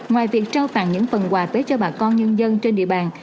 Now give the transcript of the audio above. ngoài việc trao phạm những phần quà tuyết cho bà con nhân dân trên địa bàn